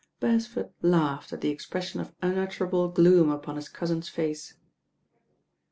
Beresford laughed at the expression of unutter able gloom upon his cousin's face.